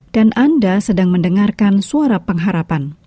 dan anda sedang mendengarkan suara pengharapan